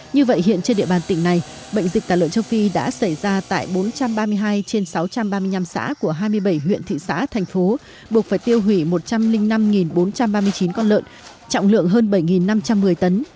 như vậy hiện trên địa bàn tỉnh này bệnh dịch tả lợn châu phi đã xảy ra tại bốn trăm ba mươi hai trên sáu trăm ba mươi năm xã của hai mươi bảy huyện thị xã thành phố buộc phải tiêu hủy một trăm linh năm bốn trăm ba mươi chín con lợn trọng lượng hơn bảy năm trăm một mươi tấn